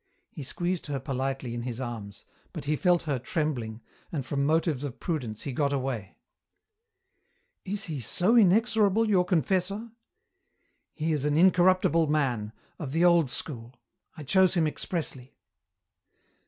He squeezed her politely in his arms, but he felt her trembling, and from motives of prudence he got away. "Is he so inexorable, your confessor?" "He is an incorruptible man, of the old school. I chose him expressly."